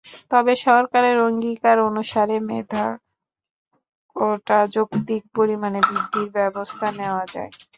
তবে সরকারের অঙ্গীকার অনুসারে মেধা কোটা যৌক্তিক পরিমাণে বৃদ্ধির ব্যবস্থা নেওয়া যায়।